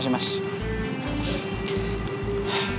terima kasih mas